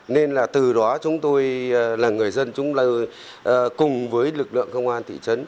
nên là từ đó chúng tôi là người dân chúng tôi cùng với lực lượng công an thị trấn